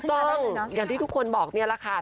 ต้องอย่างที่ทุกคนบอกแล้วค่ะ